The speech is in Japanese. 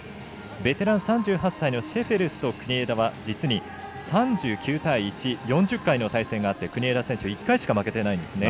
ベテラン３８歳のシェフェルスは国枝は３９対１４０回の対戦があって国枝選手、１回しか負けてないんですね。